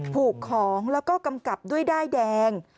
ผูกของแล้วก็กำกับด้วยด้ายแดง